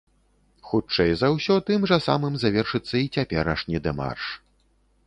Хутчэй за ўсё, тым жа самым завершыцца і цяперашні дэмарш.